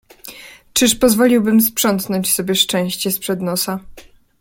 "Czyż pozwoliłbym sprzątnąć sobie szczęście z przed nosa."